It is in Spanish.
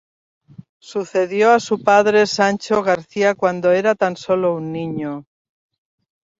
Sucedió a su padre Sancho García cuando era tan solo un niño.